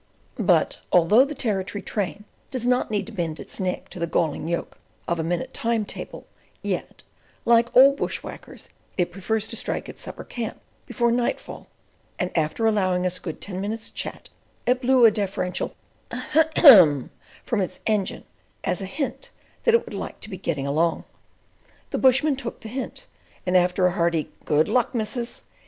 But although the Territory train does not need to bend its neck to the galling yoke of a minute time table, yet, like all bush whackers, it prefers to strike its supper camp before night fall, and after allowing us a good ten minutes' chat, it blew a deferential "Ahem" from its engine, as a hint that it would like to be "getting along." The bushman took the hint, and after a hearty "Good luck, missus!"